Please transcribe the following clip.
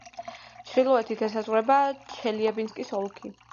ჩრდილოეთით ესაზღვრება ჩელიაბინსკის ოლქი.